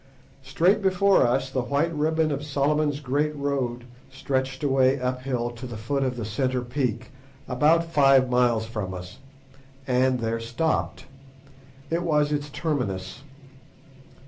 Straight before us the white ribbon of Solomon's Great Road stretched away uphill to the foot of the centre peak, about five miles from us, and there stopped. It was its terminus.